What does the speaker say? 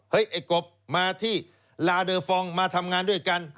ไอ้กบมาที่ลาเดอร์ฟองมาทำงานด้วยกัน